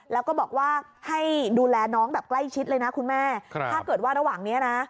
แล้วก็บอกว่าให้ดูแลน้องแบบใกล้ชิดเลยนะคุณแม่ถ้าเกิดว่าระหว่างเนี้ยนะ